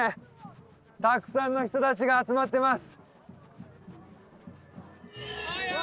たくさんの人達が集まってます・ヤー！